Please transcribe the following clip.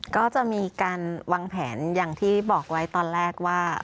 ก็จะมีการวางแผนอย่างที่บอกไว้ตอนแรกว่า